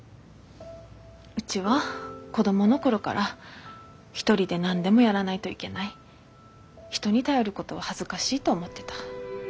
うちは子供の頃から一人で何でもやらないといけない人に頼ることは恥ずかしいと思ってた。